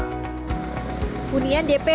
kemudahan bagi warga dki jakarta